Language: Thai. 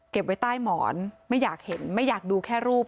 ไว้ใต้หมอนไม่อยากเห็นไม่อยากดูแค่รูป